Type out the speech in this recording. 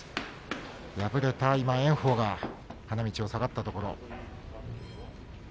敗れた炎鵬が花道を下がったところ。